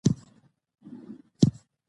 درخواست √غوښتنه